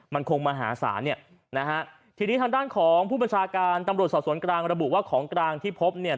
มันคงมหาศาลเนี่ยนะฮะทีนี้ทางด้านของผู้บัญชาการตำรวจสอบสวนกลางระบุว่าของกลางที่พบเนี่ย